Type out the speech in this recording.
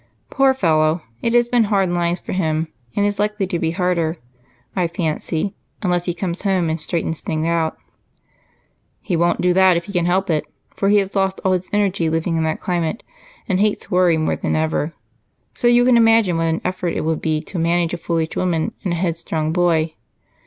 Poor fellow, it has been hard lines for him, and is likely to be harder, I fancy, unless he comes home and straightens things out." "He won't do that if he can help it. He has lost all his energy living in that climate and hates worry more than ever, so you can imagine what an effort it would be to manage a foolish woman and a headstrong boy.